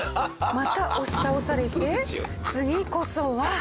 また押し倒されて次こそは。